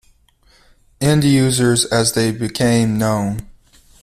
"End users" as they became known.